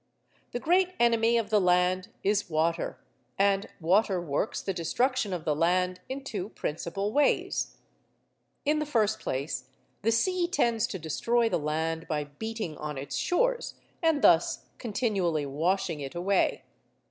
The great enemy of the land is water, and water works the destruction of the land in two principal ways. In the first place the sea tends to destroy the land by beating on its shores, and thus continually washing it away.